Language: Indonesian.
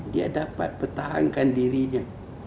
dia dapat pertahankan dirinya